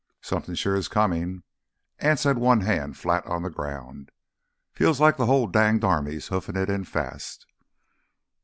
"Somethin' sure is comin'." Anse had one hand flat on the ground. "Feels like th' whole danged army hoofin' it an' fast!"